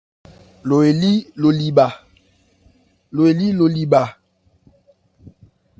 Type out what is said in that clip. Lo elí lo lí bhá.